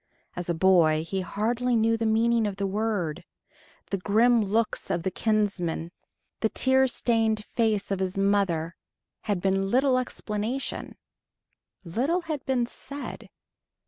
As a boy he hardly knew the meaning of the word the grim looks of the kinsmen, the tear stained face of his mother, had been little explanation little had been said.